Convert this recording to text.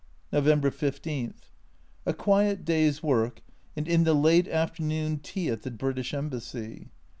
November 15. A quiet day's work, and in the late afternoon tea at the British Embassy.